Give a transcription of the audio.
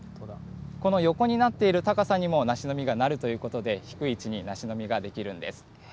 この横になっている高さにも、梨の実がなるということで、低い位置に梨の実が出来るんです。